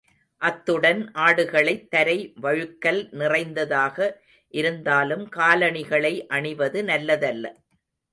அத்துடன், ஆடுகளத் தரை வழுக்கல் நிறைந்ததாக இருந்தாலும் காலணிகளை அணிவது நல்லதல்ல.